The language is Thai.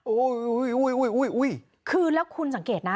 โอ้ยโยยโยยโยยคือแล้วคุณสังเกตนะ